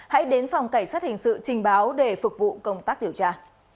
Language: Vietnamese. hãy đến phòng cảnh sát hình sự trình báo để phục vụ công tác điều tra